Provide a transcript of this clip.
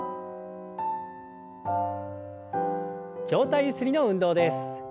上体ゆすりの運動です。